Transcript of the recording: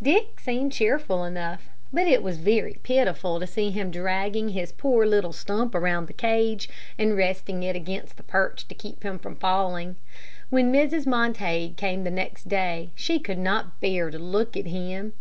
Dick seemed cheerful enough, but it was very pitiful to see him dragging his poor little stump around the cage, and resting it against the perch to keep him from falling. When Mrs. Montague came the next day, she could not bear to look at him.